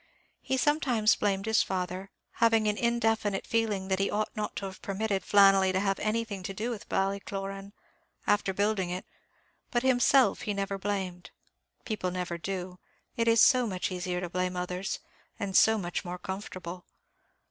He sometimes blamed his father, having an indefinite feeling that he ought not to have permitted Flannelly to have anything to do with Ballycloran, after building it; but himself he never blamed; people never do; it is so much easier to blame others, and so much more comfortable.